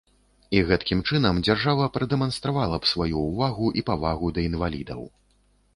І гэткім чынам дзяржава прадэманстравала б сваю ўвагу і павагу да інвалідаў.